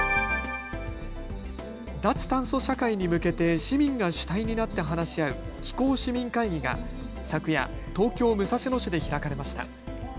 脱炭素社会に向けて市民が主体になって話し合う気候市民会議が昨夜、東京武蔵野市で開かれました。